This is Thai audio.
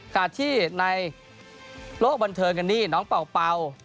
ค่ะที่ในโลกบันเทิร์นกันนี่น้องเป๋าเป๋า